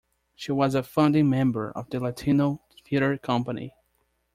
She was a founding member of the Latino Theater Company.